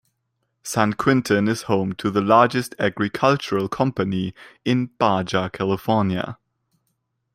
San Quintin is home to the largest agricultural company in Baja California.